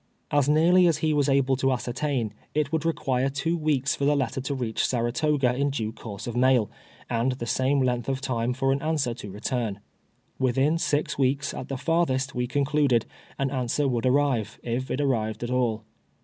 As nearly as he was able to ascertain, it •would require two weeks for the letter to reach Sara toga in due course of mail, and the same length of time for an answer to return, AVitliin six weeks, at the farthest, we concluded, an answer would arrive, if it arrived at all.